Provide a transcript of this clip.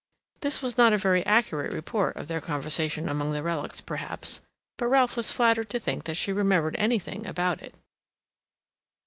This was not a very accurate report of their conversation among the relics, perhaps, but Ralph was flattered to think that she remembered anything about it.